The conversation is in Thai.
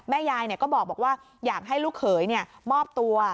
ยายก็บอกว่าอยากให้ลูกเขยมอบตัว